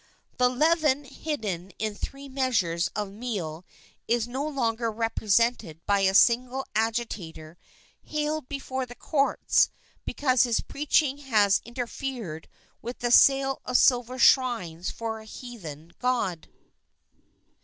The leaven hidden in three measures of meal is no longer represented by a single agitator haled before the courts because his preaching has interfered with the sale of silver shrines for a heathen god.